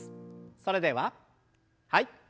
それでははい。